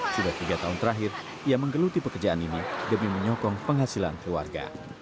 sudah tiga tahun terakhir ia menggeluti pekerjaan ini demi menyokong penghasilan keluarga